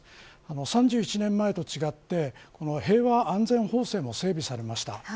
３１年前と違って平和安全法制が整備されました。